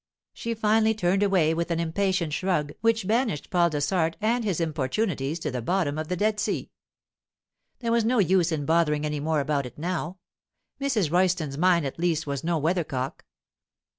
She finally turned away with an impatient shrug which banished Paul Dessart and his importunities to the bottom of the Dead Sea. There was no use in bothering any more about it now; Mrs. Royston's mind at least was no weathercock.